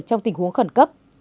trong tình huống khẩn cấp